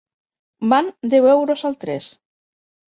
Van deu euros al tres.